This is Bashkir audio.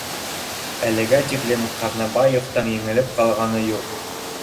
Әлегә тиклем Ҡаҙнабаевтың еңелеп ҡалғаны юҡ